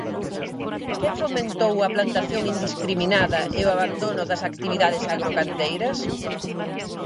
¿Quen fomentou a plantación indiscriminada e o abandono das actividades agrogandeiras?